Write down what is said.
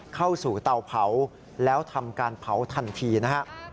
เข้าสู่เตาเผาแล้วทำการเผาทันทีนะฮะ